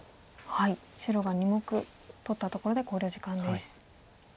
白が２目取ったところで考慮時間です。